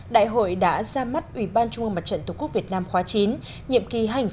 đại hội đã ra mắt ủy ban trung ương mặt trận tổ quốc việt nam khóa chín nhiệm kỳ hai nghìn một mươi chín hai nghìn hai mươi bốn